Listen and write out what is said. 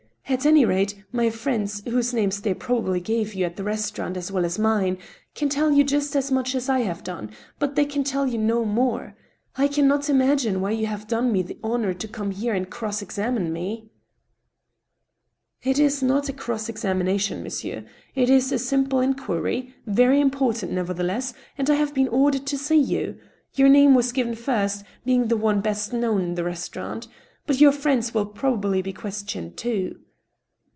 ... At any rate, my friends, whose names they probably gave you at the restaurant as well as mine, can tell you just as much as I have done, but they can tell you no more. I can not imagine why you have done me the honor to come here and cross examine me." * It is not a cross examination, monsieur, it is a simple inquiry — very important, nevertheless, and I have been ordered to see you. Your name was given first, being the one best known in the restau rant. But your friends will probably be questioned, too."